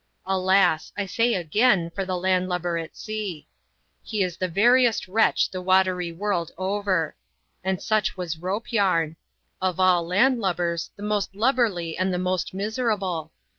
Alas ! I say again, for the land lubber at sea. He is the yeriest wretch the watery world over. And such was Rope Yam ; of all land lubbers, the most lubberly and the most miserable.